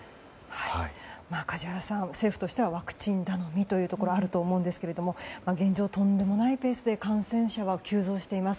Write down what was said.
梶原さん、政府としてはワクチン頼みというところがあると思うんですが現状、とんでもないペースで感染者が急増しています。